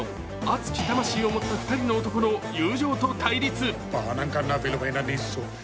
熱き魂を持った２人の男の友情と対立。